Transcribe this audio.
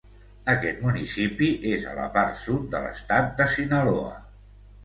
Aquest municipi és a la part sud de l'estat de Sinaloa.